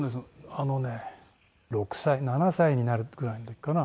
あのね６歳７歳になるぐらいの時かな。